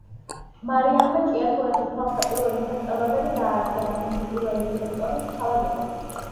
მარიამმა ჭიათურაში ქალთა პირველი სასწავლებელი დააარსა და მისი პირველი დირექტორიც თავად იყო.